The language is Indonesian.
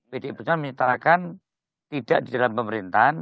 pdi perjuangan menyatakan tidak di dalam pemerintahan